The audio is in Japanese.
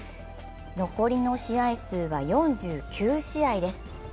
残りの試合数は４９試合です。